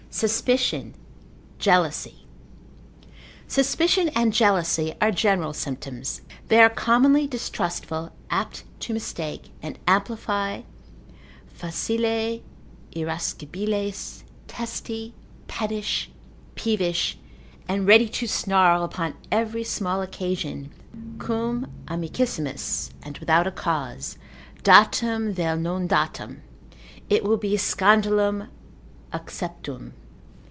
Suspicion, Jealousy.] Suspicion, and jealousy, are general symptoms: they are commonly distrustful, apt to mistake, and amplify, facile irascibiles, testy, pettish, peevish, and ready to snarl upon every small occasion, cum amicissimis, and without a cause, datum vel non datum, it will be scandalum acceptum.